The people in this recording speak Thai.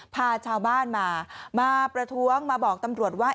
พาชาวบ้านมามาประท้วงมาบอกตำรวจว่า